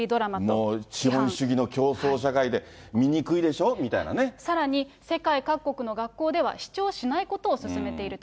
もう資本主義の競争社会で、さらに、世界各国の学校では、視聴しないことを勧めていると。